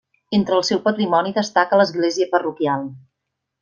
Entre el seu patrimoni destaca l'església parroquial.